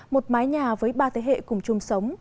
một mái nhà với ba thế hệ cùng chung sống